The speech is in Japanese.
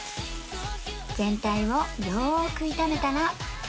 全体をよーく炒めたら